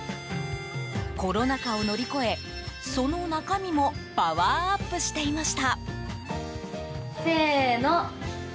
コロナ禍を乗り越えその中身もパワーアップしていました。